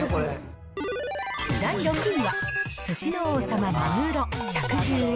第６位は、すしの王様、まぐろ、１１０円。